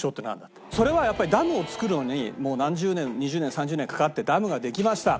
それはやっぱりダムを造るのに何十年２０年３０年かかってダムができました。